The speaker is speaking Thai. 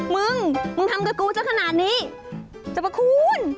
มึงมึงทำกับกูจะขนาดนี้เจ้าพระคุณ